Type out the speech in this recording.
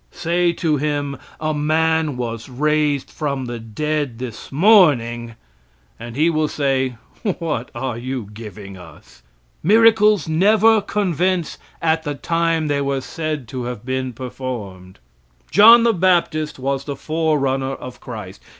Say to him, "A man was raised from the dead this morning," and he will say, "What are you giving us?" Miracles never convince at the time they were said to have been performed. John the Baptist was the forerunner of Christ.